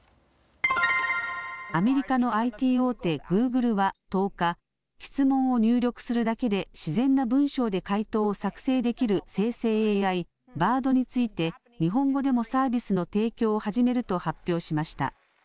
アメリカのＩＴ大手、グーグルは１０日、質問を入力するだけで自然な文章で回答を作成できる生成ＡＩ、Ｂａｒｄについて日本語でもサービスの提供を始めると発表しました。